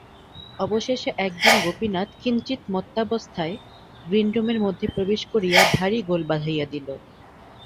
অবশেষে একদিন গোপীনাথ কিঞ্চিৎ মত্তাবস্থায় গ্রীনরুমের মধ্যে প্রবেশ করিয়া ভারি গোল বাধাইয়া দিল।